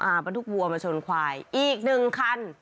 บรรทุกวัวมาชนควายอีกหนึ่งคัน